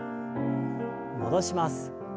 戻します。